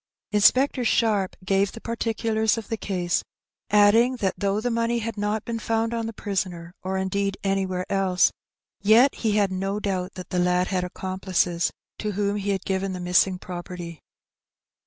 Inspector Sharp gave the particulars of the casej add ing that though the money had not been found on the prisoner, or indeed anywhere else, yet he had no doubt that the lad had accompUces to whom he had given the missing property.